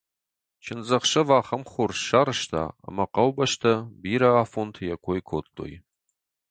Чындзӕхсӕв ахӕм хорз сарӕзта, ӕмӕ хъӕубӕстӕ бирӕ афонты йӕ кой кодтой.